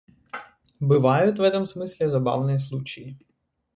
Бывают, в этом смысле, забавные случаи.